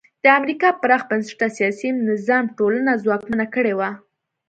د امریکا پراخ بنسټه سیاسي نظام ټولنه ځواکمنه کړې وه.